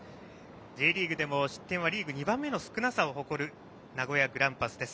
Ｊリーグでも失点はリーグ２番目の少なさを誇る名古屋グランパスです。